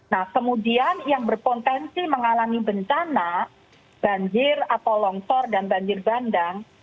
nah kemudian yang berpotensi mengalami bencana banjir atau longsor dan banjir bandang